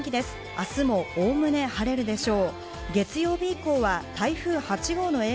明日もおおむね晴れるでしょう。